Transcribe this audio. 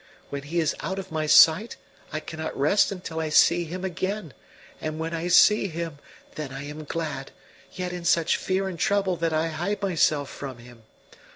When he is out of my sight I cannot rest until I see him again; and when I see him, then I am glad, yet in such fear and trouble that I hide myself from him.